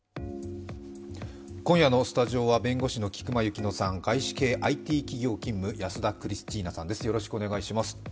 今夜のスタジオは弁護士の菊間千乃さん、外資系ＩＴ企業勤務安田クリスチーナさんです。